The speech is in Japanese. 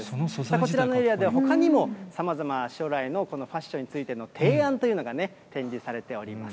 こちらのエリアでは、ほかにもさまざま、将来のファッションについての提案というのが展示されております。